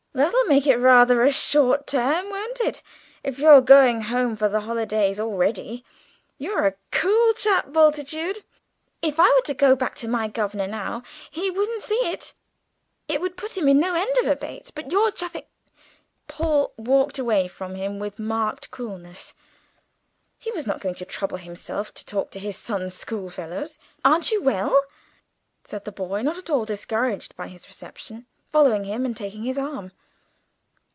"That'll make it rather a short term, won't it, if you're going home for the holidays already? You're a cool chap, Bultitude! If I were to go back to my governor now, he wouldn't see it. It would put him in no end of a bait. But you're chaffing " Paul walked away from him with marked coolness. He was not going to trouble himself to talk to his son's schoolfellows. "Aren't you well?" said the boy, not at all discouraged by his reception, following him and taking his arm.